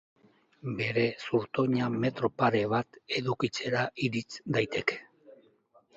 Bere zurtoina metro pare bat edukitzera irits daiteke.